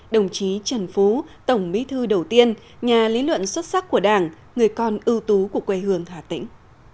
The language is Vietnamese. đồng chí trần phú tổng bí thư đầu tiên nhà lý luận xuất sắc của đảng người con ưu tú của quê hương hà tĩnh